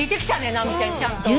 直美ちゃんにちゃんと。